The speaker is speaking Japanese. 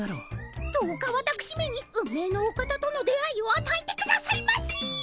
どうかわたくしめに運命のお方との出会いをあたえてくださいませ！